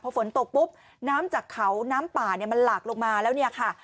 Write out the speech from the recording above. ฝนตกปุ๊บน้ำจากเขาน้ำป่าเนี่ยมันหลากลงมาแล้วเนี่ยค่ะ